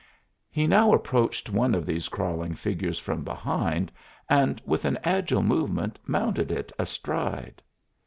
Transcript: He now approached one of these crawling figures from behind and with an agile movement mounted it astride.